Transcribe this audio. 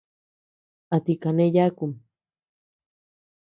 ¿A ti kane yákum?